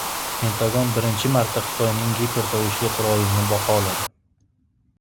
Pentagon birinchi marta Xitoyning gipertovushli qurolini baholadi